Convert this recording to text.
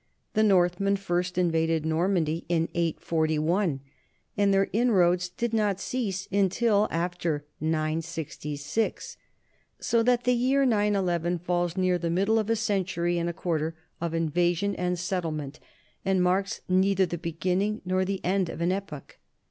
The Northmen first invaded Normandy in 841, and their inroads did not cease until about 966, so that the year 911 falls near the middle of a century and a quarter of invasion and settlement, and marks neither the beginning nor the end of an epoch.